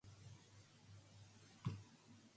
They were not let in without proper credentials.